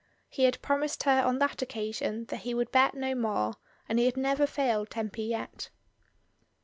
He had pro mised her on that occasion that he would bet no more, and he had never failed Tempy yet.